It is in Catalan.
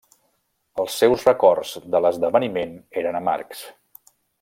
Els seus records de l'esdeveniment eren amargs.